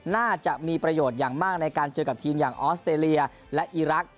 น่าจะมีประโยชน์อย่างมากในการเจอกับทีมอย่างออสเตรเลียและอีรักษ